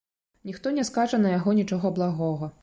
Ніхто не скажа на яго нічога благога.